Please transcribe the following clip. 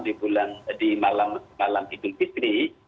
di malam idul fitri